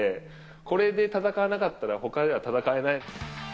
これで戦わなかったら、ほかでは戦えない。